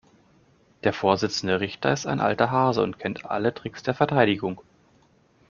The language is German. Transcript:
Der Vorsitzende Richter ist ein alter Hase und kennt alle Tricks der Verteidigung.